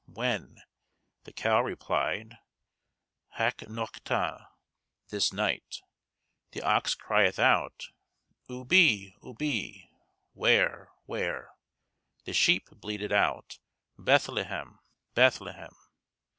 _ When? The cow replied, Hac nocte, this night. The ox cryeth out, Ubi? Ubi? Where? where? The sheep bleated out, Bethlehem, Bethlehem.